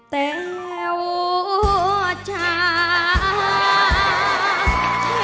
เต้วจาก